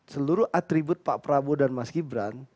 seluruh atribut pak prabowo dan mas gibran